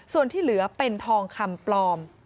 ส่วนที่เหลือเป็นทองคำปลอม